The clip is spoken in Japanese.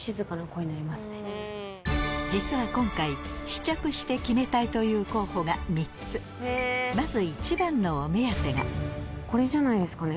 実は今回試着して決めたいという候補が３つまず１番のお目当てがこれじゃないですかね？